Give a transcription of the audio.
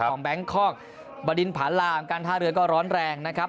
แบงคอกบดินผาลามการท่าเรือก็ร้อนแรงนะครับ